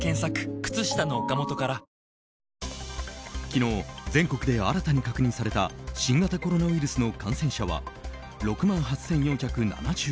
昨日、全国で新たに確認された新型コロナウイルスの感染者は６万８４７５人。